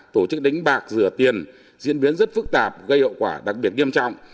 tổ chức đánh bạc rửa tiền diễn biến rất phức tạp gây hậu quả đặc biệt nghiêm trọng